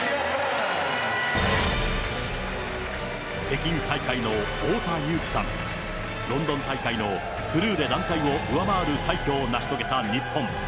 北京大会の太田雄貴さん、ロンドン大会のフルーレ団体を上回る快挙を成し遂げた日本。